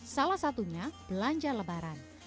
salah satunya belanja lebaran